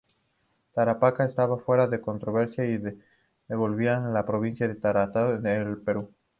Tarapacá estaba fuera de controversia y se devolvía la provincia de Tarata al Perú.